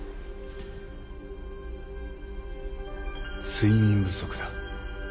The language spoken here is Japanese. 睡眠不足だ。